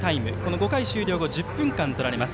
５回終了後、１０分間とられます。